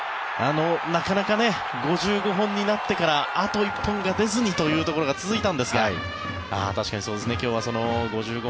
なかなか５５本になってからあと１本が出ずにというところが続いたんですが確かにそうですね今日はその５５